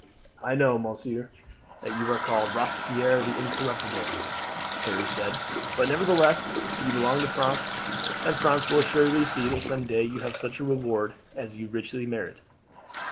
"I know, monsieur, that you are called 'Robespierre the Incorruptible,"' Harry said; "but, nevertheless, you belong to France, and France will assuredly see that some day you have such a reward as you richly merit."